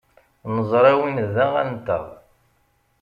Neẓra win d aɣan-nteɣ.